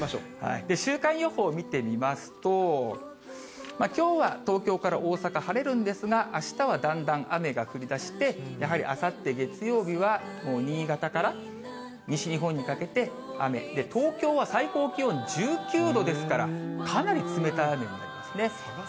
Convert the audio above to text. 週間予報見てみますと、きょうは東京から大阪、晴れるんですが、あしたはだんだん雨が降りだして、やはりあさって月曜日は、もう新潟から西日本にかけて雨、東京は最高気温１９度ですから、かなり冷たい雨になりますね。